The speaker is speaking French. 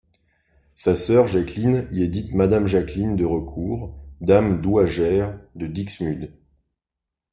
Sa sœur Jacqueline y est dite Madame Jacqueline de Recourt, dame douagère de Dixmude.